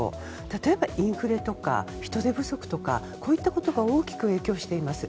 例えばインフレとか人手不足とかこういったことが大きく影響しています。